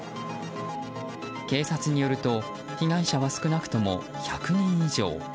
警察によると被害者は少なくとも１００人以上。